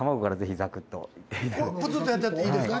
ぷつっとやっちゃっていいですか。